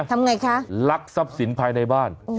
ทำไงคะลักทรัพย์สินภายในบ้าน